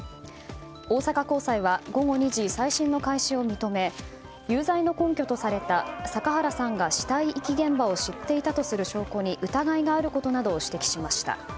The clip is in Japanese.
大阪高裁は午後２時、再審の開始を認め有罪の根拠とされた阪原さんが死体遺棄現場を知っていたとする証拠に疑いがあることなどを指摘しました。